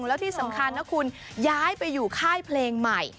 แล้วที่สำคัญนะคุณย้ายไปอยู่ค่ายเพลงใหม่